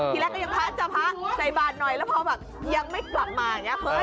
ทีแรกก็ยังพระเจ้าพระใส่บาทหน่อยแล้วพอแบบยังไม่กลับมาอย่างนี้